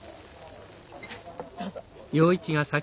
どうぞ。